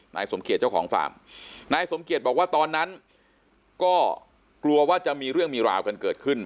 นายสมเกียจเจ้าของฟาร์มนายสมเกียจบอกว่าตอนนั้นก็กลัวว่าจะมีเรื่องมีราวกันเกิดขึ้น